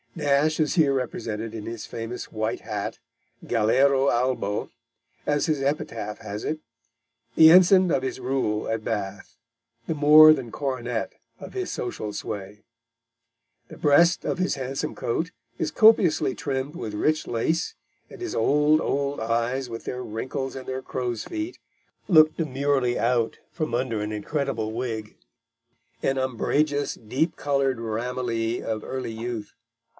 Nash is here represented in his famous white hat galero albo, as his epitaph has it; the ensign of his rule at Bath, the more than coronet of his social sway. The breast of his handsome coat is copiously trimmed with rich lace, and his old, old eyes, with their wrinkles and their crow's feet, look demurely out from under an incredible wig, an umbrageous, deep coloured ramilie of early youth.